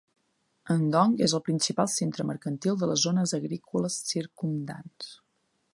Andong és el principal centre mercantil de les zones agrícoles circumdants.